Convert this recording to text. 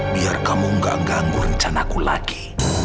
biar kamu gak ganggu rencanaku lagi